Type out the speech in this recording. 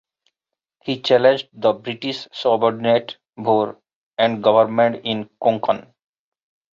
He challenged the British subordinate bhor and government in Konkan.